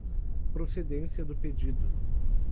procedência do pedido